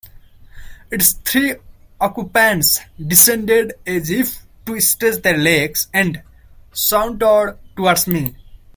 Its three occupants descended as if to stretch their legs, and sauntered towards me.